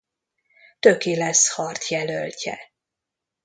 Töki lesz Hart jelöltje.